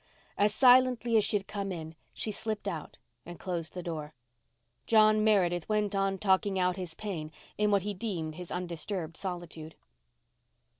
As silently as she had come in she slipped out and closed the door. John Meredith went on talking out his pain in what he deemed his undisturbed solitude.